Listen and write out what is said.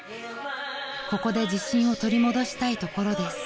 ［ここで自信を取り戻したいところです］